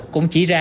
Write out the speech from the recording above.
cũng chỉ ra